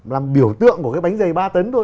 làm biểu tượng của cái bánh dày ba tấn thôi